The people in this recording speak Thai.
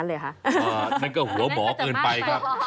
มันก็หัวหมอเกินไปครับ